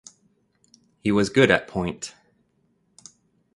He was good at point.